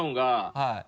はい。